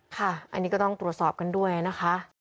ค่ะอันนี้ก็ต้องตรวจสอบกันด้วยนะคะ